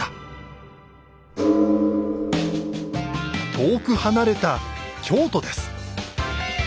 遠く離れた京都です。